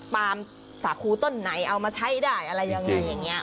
ปาล์มสาคูต้นไหนเอามาใช้ได้อะไรยังไงอย่างนี้